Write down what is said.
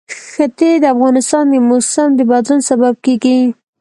ښتې د افغانستان د موسم د بدلون سبب کېږي.